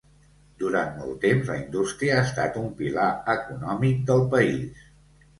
Durant molt temps, la indústria ha estat un pilar econòmic del país.